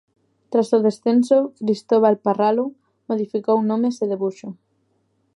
Tras o descanso, Cristóbal Parralo modificou nomes e debuxo.